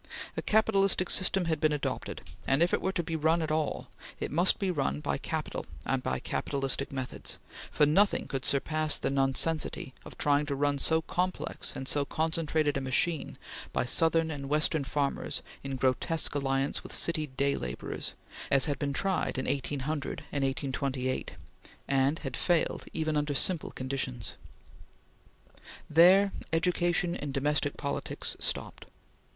A capitalistic system had been adopted, and if it were to be run at all, it must be run by capital and by capitalistic methods; for nothing could surpass the nonsensity of trying to run so complex and so concentrated a machine by Southern and Western farmers in grotesque alliance with city day laborers, as had been tried in 1800 and 1828, and had failed even under simple conditions. There, education in domestic politics stopped.